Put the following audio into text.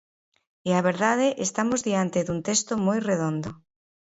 E a verdade, estamos diante dun texto moi redondo.